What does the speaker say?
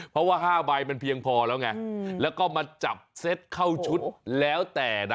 เพราะว่า๕ใบเป็นเพียงพอแล้วไงแล้วมันจับเสธเข้าชุดแล้วแต่